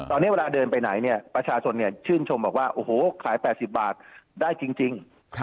ตอนนี้เวลาเดินไปไหนประชาชนชื่นชมบอกขาย๘๐บาทได้จริง